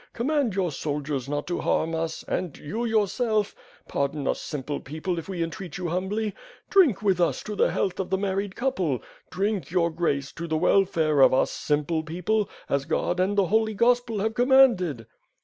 Command your soldiers not to harm us, and you yourself — pardon us simple people if we entreat you humbly — drink with us to the health of the married couple. Drink, vour grace, to the welfare of us, simple people; as God and the Holy Gospel have commanded."